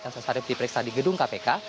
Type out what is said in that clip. elsa sharif diperiksa di gedung kpk